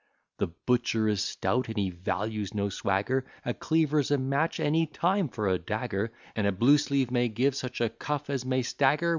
The butcher is stout, and he values no swagger; A cleaver's a match any time for a dagger, And a blue sleeve may give such a cuff as may stagger.